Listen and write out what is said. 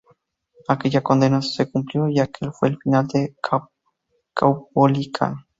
Aquella condena se cumplió, y aquel fue el final de Caupolicán.